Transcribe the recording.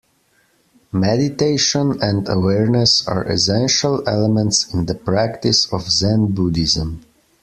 Meditation and awareness are essential elements in the practice of Zen Buddhism